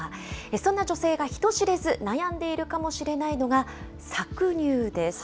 そんな女性が人知れず悩んでいるかもしれないのが、搾乳です。